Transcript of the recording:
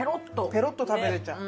ペロッと食べられちゃう。